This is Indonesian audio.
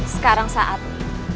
sekarang saat ini